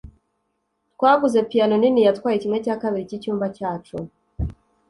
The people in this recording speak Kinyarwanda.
Twaguze piyano nini yatwaye kimwe cya kabiri cyicyumba cyacu.